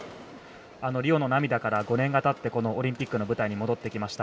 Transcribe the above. リオの涙から５年がたってオリンピックの舞台に戻ってきました。